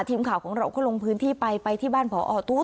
ทีมข่าวของเราก็ลงพื้นที่ไปไปที่บ้านพอตู้